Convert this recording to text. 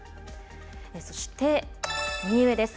そして、右上です。